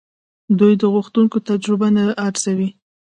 دوی د غوښتونکو تجربه ارزوي.